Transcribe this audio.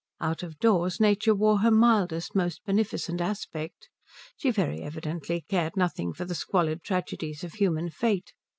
Out of doors Nature wore her mildest, most beneficent aspect. She very evidently cared nothing for the squalid tragedies of human fate.